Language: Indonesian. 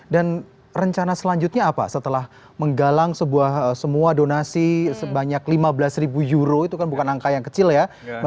dan rencana selanjutnya apa setelah menggalang semua donasi sebanyak lima belas euro itu kan bukan angka yang kecil ya